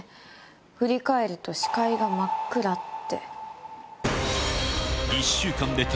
「振り返ると視界が真っ暗」って。